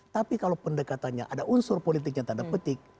tapi kalau pendekatannya ada unsur politiknya tanda petik